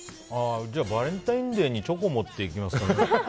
バレンタインデーにチョコ持っていきます。